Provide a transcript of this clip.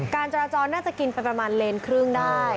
การจราจรน่าจะกินไปประมาณเลนครึ่งได้